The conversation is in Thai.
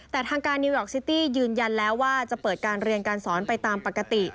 แต่ทางการนิวยอร์กซิตี้ยืนยันแล้วว่าจะเปิดการเรียนการสอนไปตามปกติ